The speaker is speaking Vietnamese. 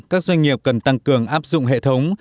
các doanh nghiệp cần tăng cường áp dụng hệ thống